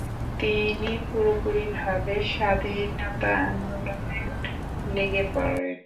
তিনি পুরোপুরিভাবে স্বাধীনতা আন্দোলনে লেগে পড়েন ।